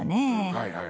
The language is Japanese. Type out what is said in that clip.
はいはい。